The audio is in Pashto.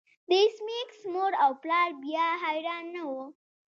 د ایس میکس مور او پلار بیا حیران نه وو